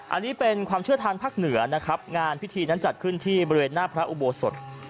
อันนี้เป็นความเชื่อทางภาคเหนือนะครับงานพิธีนั้นจัดขึ้นที่บริเวณหน้าพระอุโบสถ